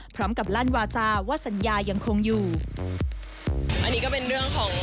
พร้อมกับลั่นวาจาว่าสัญญายังคงอยู่